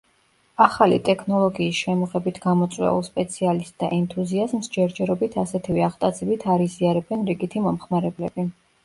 ახალი ტექნოლოგიის შემოღებით გამოწვეულ სპეციალისტთა ენთუზიაზმს ჯერჯერობით ასეთივე აღტაცებით არ იზიარებენ რიგითი მომხმარებლები.